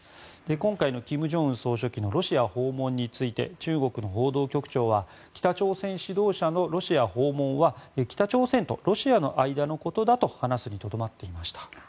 今回の金正恩総書記のロシア訪問について中国の報道局長は北朝鮮指導者のロシア訪問は北朝鮮とロシアの間のことだと話すにとどまっていました。